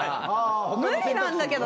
無理なんだけど。